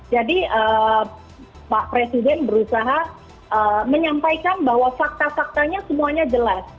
jadi pak presiden berusaha menyampaikan bahwa fakta faktanya semuanya jelas